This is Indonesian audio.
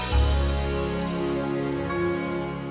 itu yang barusan lewat